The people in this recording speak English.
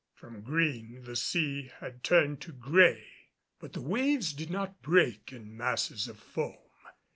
From green the sea had turned to gray. But the waves did not break in masses of foam.